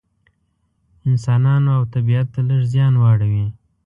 انسانانو او طبیعت ته لږ زیان واړوي.